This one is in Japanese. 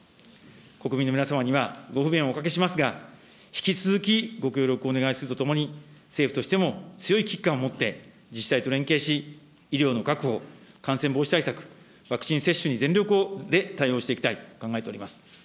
国民の皆様にはご不便をおかけしますが、引き続きご協力をお願いするとともに、政府としても強い危機感を持って、自治体と連携し、医療の確保、感染防止対策、ワクチン接種に全力で対応していきたいと考えております。